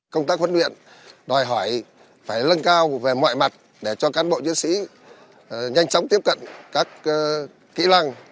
công tác huấn luyện đòi hỏi phải lân cao về mọi mặt để cho cán bộ chiến sĩ nhanh chóng tiếp cận các kỹ năng